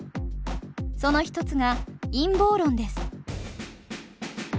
その一つが「陰謀論」です。